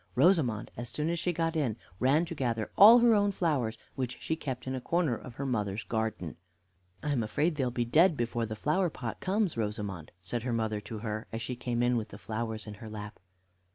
Rosamond, as soon as she got in, ran to gather all her own flowers, which she kept in a corner of her mother's garden. "I am afraid they'll be dead before the flower pot comes, Rosamond," said her mother to her, as she came in with the flowers in her lap.